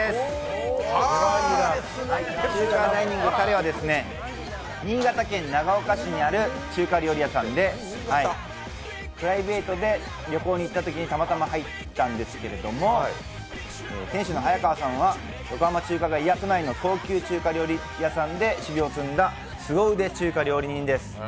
礼は新潟県長岡市にある中華料理屋さんで、プライベートで旅行に行ったときにたまたま入ったんですけれども、店主の早川さんは横浜中華街や都内の高級中華料理屋さんで修行を積んだすご腕中華料理人です。